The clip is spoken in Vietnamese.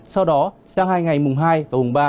sau đó sang hai ngày mùng hai và mùng ba